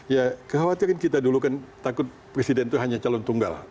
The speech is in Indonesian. ya kekhawatiran kita dulu kan takut presiden itu hanya calon tunggal